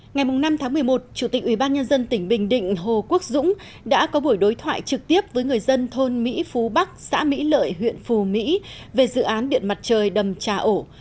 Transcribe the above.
ngày năm tháng một mươi một chủ tịch ubnd tỉnh bình định hồ quốc dũng đã có buổi đối thoại trực tiếp với người dân thôn mỹ phú bắc xã mỹ lợi huyện phù mỹ về dự án điện mặt trời đầm trà ổ